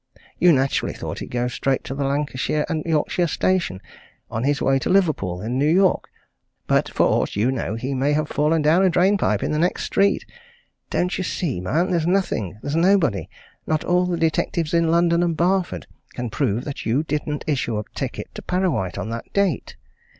You naturally thought he'd go straight to the Lancashire and Yorkshire Station, on his way to Liverpool and New York! But, for aught you know, he may have fallen down a drain pipe in the next street! Don't you see, man? There's nothing, there's nobody, not all the detectives in London and Barford, can prove that you didn't issue a ticket to Parrawhite on that date?